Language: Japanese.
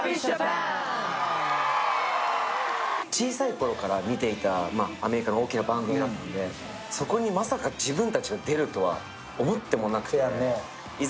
小さいころから見ていたアメリカの大きな番組だったのでそこにまさか自分たちが出るとは思ってもなくて、いざ